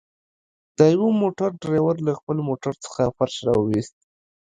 د يوه موټر ډريور له خپل موټر څخه فرش راوويست.